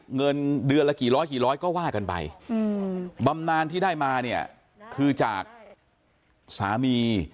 เงินเดือนละกี่ร้อยกี่ร้อยก็ว่ากันไปบำนานที่ได้มาเนี่ยคือจากสามี